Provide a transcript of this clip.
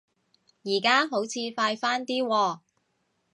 而家好似快返啲喎